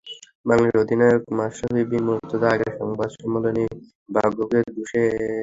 বাংলাদেশ অধিনায়ক মাশরাফি বিন মুর্তজা আগের সংবাদ সম্মেলনেই ভাগ্যকে দুষে গেলেন।